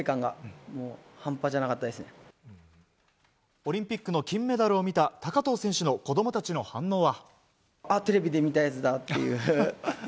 オリンピックの金メダルを見た高藤選手の子供たちの反応は。